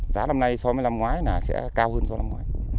giá năm nay so với năm ngoái sẽ cao hơn so với năm ngoái